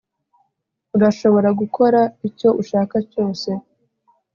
urashobora gukora icyo ushaka cyose